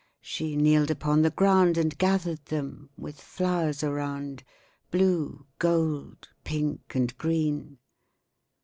She kneeled upon the ground And gathered them. With flowers around. Blue, gold, pink and green.